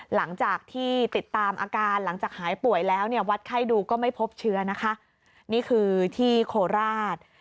หลังจากที่ติดตามอาการหายป่วยแล้ววัดไข้ดูก็ไม่พบเชื้อนี่คือที่โคราช